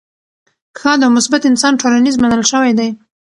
ښاد او مثبت انسان ټولنیز منل شوی دی.